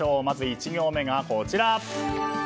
まず１行目がこちら。